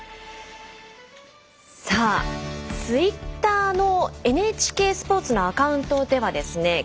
さあ、ツイッターのＮＨＫスポーツのアカウントではですね